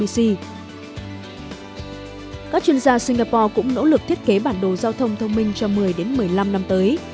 các chuyên gia singapore cũng nỗ lực thiết kế bản đồ giao thông thông minh cho một mươi một mươi năm năm tới